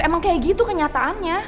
emang kayak gitu kenyataannya